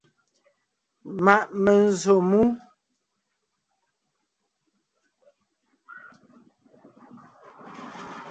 Ma’ menzsǒ mú.